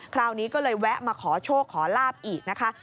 คราวนี้ก็เลยแวะมาขอโชคขอลาบอีกนะคะ